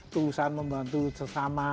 keusahan membantu sesama